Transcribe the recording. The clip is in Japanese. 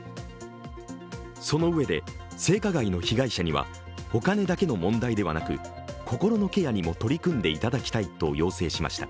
そのうえで性加害の被害者にはお金だけの問題ではなく心のケアにも取り組んでいただきたいと要請しました。